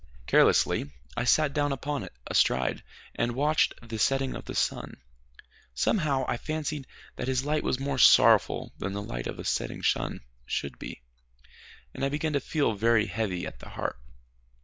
Carelessly, I sat down upon it astride, and watched the setting of the sun. Somehow I fancied that his light was more sorrowful than the light of the setting sun should be, and I began to feel very heavy at the heart.